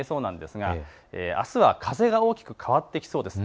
あすは風が大きく変わってきそうです。